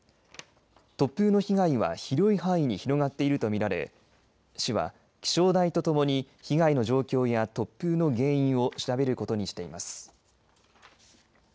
突風の被害は広い範囲に広がっていると見られ市は気象台とともに被害の状況や突風の原因を調べることにしています。